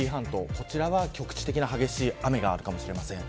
こちらは局地的な激しい雨になるかもしれません。